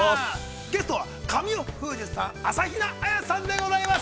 ゲストは神尾楓珠さん、朝比奈彩さんでございます。